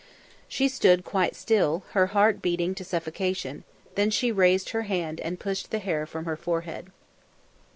She stood quite still, her heart beating to suffocation; then she raised her hand and pushed the hair from her forehead.